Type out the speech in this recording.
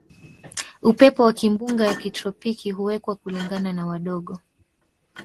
Upepo wa kimbunga ya kitropiki huwekwa kulingana na wadogo